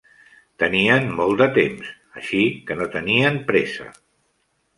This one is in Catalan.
Tenien molt de temps, així que no tenien pressa.